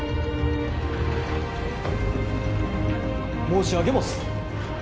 申し上げもす。